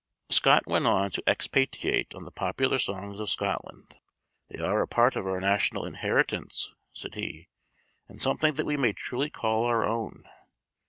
Scott went on to expatiate on the popular songs of Scotland. "They are a part of our national inheritance," said he, "and something that we may truly call our own.